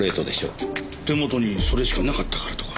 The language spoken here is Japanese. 手元にそれしかなかったからとか。